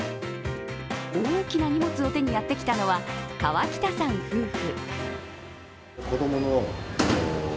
大きな荷物を手にやってきたのは川北さん夫婦。